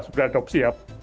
sudah diadopsi ya